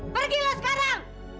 pergi lo sekarang